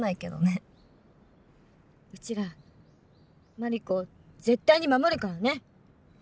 うちら茉莉子を絶対に守るからね！